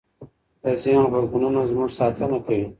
د ذهن غبرګونونه زموږ ساتنه کوي.